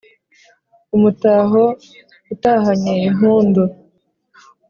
umutaho utahanye impundu